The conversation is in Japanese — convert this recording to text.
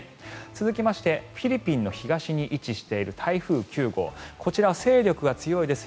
続いてフィリピンの東に位置している台風９号、こちら勢力が強いです